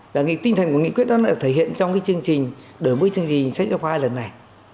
và tinh thần của nghị quyết đó đã thể hiện trong cái chương trình đổi mới chương trình sách giáo khoa hai lần này